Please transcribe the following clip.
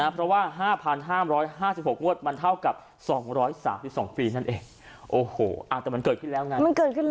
เพราะว่า๕๕๖งวดมันเท่ากับ๒๓๒ฟรีนั่นเองโอ้โหแต่มันเกิดขึ้นแล้วไง